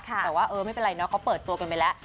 แต่ว่าเออไม่เป็นไรเนาะเขาเปิดตัวกันไปแล้ว